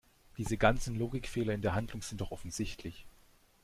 Diese ganzen Logikfehler in der Handlung sind doch offensichtlich!